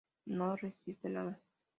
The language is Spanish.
No resiste heladas.